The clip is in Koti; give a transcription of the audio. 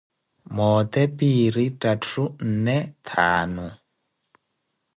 Mote, piiri, tatthu, nne, thaanu.